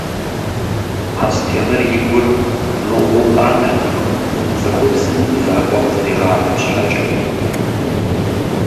Астемыр и гур мыгъуу къанэртэкъым, цӀыхубзым и закъуэ къызэригъэнам щхьэкӀэ.